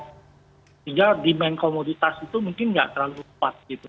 sehingga demand komoditas itu mungkin nggak terlalu kuat gitu